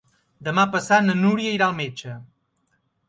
Demà passat na Núria irà al metge.